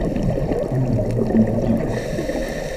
إنه مظلم جداً.